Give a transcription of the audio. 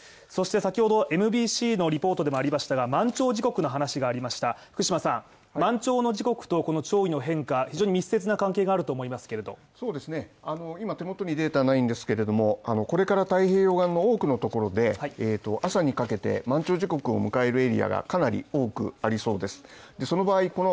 そして先ほどＭＢＣのリポートでもありましたが満潮時刻の話がありました福島さん、満潮の時刻とこの潮位の変化、非常に密接な関係があると思いますけれども手元にデータがないんですけれどもこれから太平洋側の多くのところで、朝にかけて満潮時刻を迎えるエリアがかなり多くありそうです。